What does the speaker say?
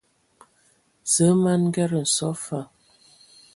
Zǝə ma n Nged nso fa.